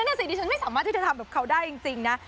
นั่นสิดิฉันไม่สามารถที่จะทำแบบเขาได้จริงนะ